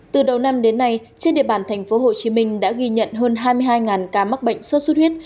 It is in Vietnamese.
từ đầu năm đến nay trên địa bàn tp hcm đã ghi nhận hơn hai mươi hai ca mắc bệnh sốt xuất huyết